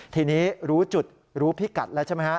ทีนี้รู้จุดรู้พิกัดแล้วใช่ไหมฮะ